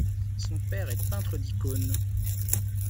Son père est peintre d'icônes.